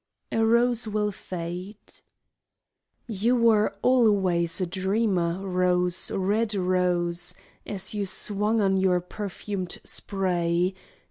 A ROSE WILL FADE You were always a dreamer, Rose, red Rose, As you swung on your perfumed spray.